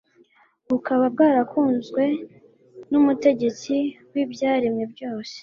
bukaba bwarakunzwe n'umutegetsi w'ibyaremwe byose